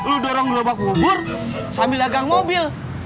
lu dorong gerobak bubur sambil dagang mobil